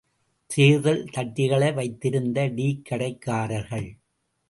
தேர்தல் தட்டிகளை வைத்திருந்த டீக்கடைக்காரர்கள்.